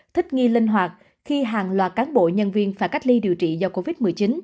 thích nghi linh hoạt khi hàng loạt cán bộ nhân viên phải cách ly điều trị do covid